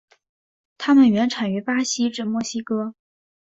它们原产于巴西至墨西哥。